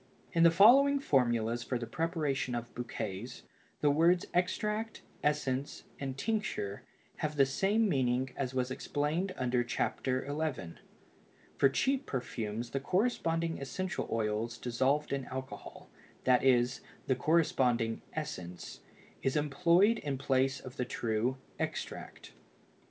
In the following formulas for the preparation of bouquets, the words extract, essence, and tincture have the same meaning as was explained under Chapter XI. For cheap perfumes the corresponding essential oils dissolved in alcohol, that is, the corresponding "essence," is employed in place of the true "extract."